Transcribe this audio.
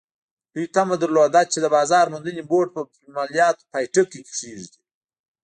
دوی تمه درلوده چې د بازار موندنې بورډ به پر مالیاتو پای ټکی کېږدي.